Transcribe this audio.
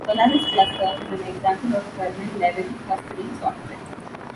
Solaris Cluster is an example of kernel-level clustering software.